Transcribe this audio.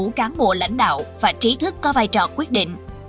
đặc biệt là đội ngũ cán bộ lãnh đạo và trí thức có vai trò quyết định